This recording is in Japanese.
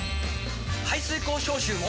排水口消臭も！